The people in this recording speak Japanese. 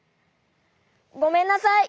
ごめんなさい。